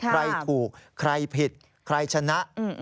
ใครถูกใครผิดใครชนะ